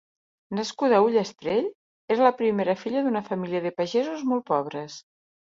Nascuda a Ullastrell, era la primera filla d'una família de pagesos molt pobres.